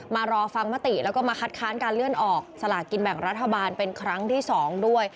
รอฟังมติแล้วก็มาคัดค้านการเลื่อนออกสลากินแบ่งรัฐบาลเป็นครั้งที่๒ด้วย